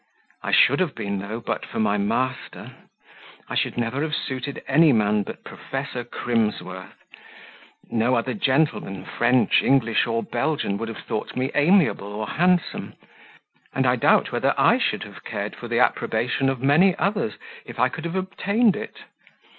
"I should have been, though, but for my master. I should never have suited any man but Professor Crimsworth no other gentleman, French, English, or Belgian, would have thought me amiable or handsome; and I doubt whether I should have cared for the approbation of many others, if I could have obtained it.